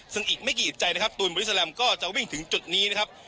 ซึ่งอีกไม่กี่อิตใจนะครับตูนบริสแลมก็จะวิ่งถึงจุดนี้นะครับ